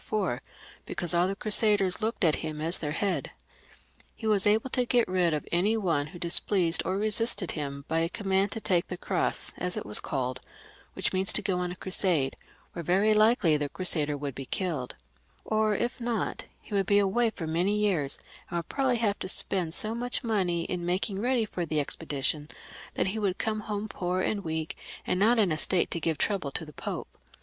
before^ because all the Crusaders looked to him as their head* He was able to get rid of any one who displeased or resisted him by a command to take the cros^^ as it was called ; which means to go on a crusade^ where very likely the crusader would be killed, or if not, he would be away for many years, and would probably have to spend BO much money in maMng ready for the expedition that he would come home poor and weak, and not in a state to give trouble to the Pope.